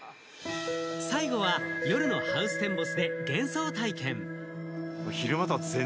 最後は夜のハウステンボスで幻想体験。